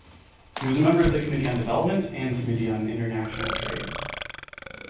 He was a member of the Committee on Development and Committee on International Trade.